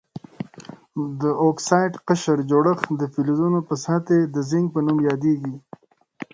د اکسایدي قشر جوړښت د فلزونو پر سطحې د زنګ په نوم یادیږي.